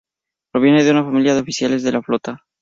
Proviene de una familia de oficiales de la flota.